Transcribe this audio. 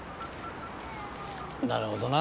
なるほどな。